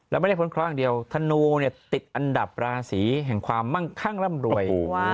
แล้วไม่ได้พ้นเคราะห์อย่างเดียวธนูเนี่ยติดอันดับราศีแห่งความมั่งคั่งร่ำรวย